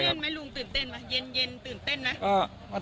ตื่นเต้นไหมลุงตื่นเต้นไหมเย็นตื่นเต้นนะ